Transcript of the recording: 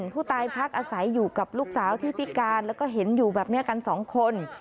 ผู้ตายพักอาศัยอยู่กับลูกสาวที่พิการแล้วก็เห็นอยู่แบบนี้กัน๒คน